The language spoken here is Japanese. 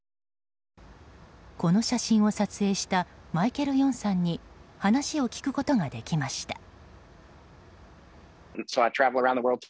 この写真を撮影したマイケル・ヨンさんに話を聞くことができました。